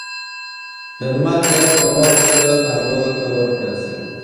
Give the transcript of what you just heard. درمل باید په وخت سره ناروغ ته ورکړل شي.